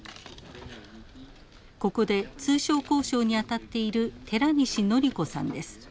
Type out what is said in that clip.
ここで通商交渉にあたっている寺西規子さんです。